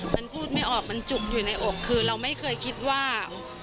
มันพูดไม่ออกมันจุกอยู่ในอกคือเราไม่เคยคิดว่า